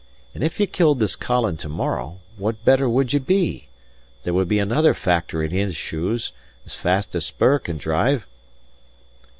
And if ye killed this Colin to morrow, what better would ye be? There would be another factor in his shoes, as fast as spur can drive."